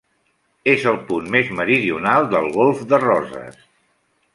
És el punt més meridional del Golf de Roses.